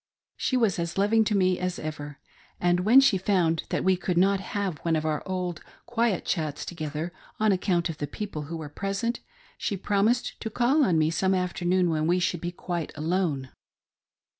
Sbe? was as loving to me as ever, and when she found that, we could not have one of our old quiet chats together, on account of the people who were present, she promised to call on me some afternoon when we should be quite alone.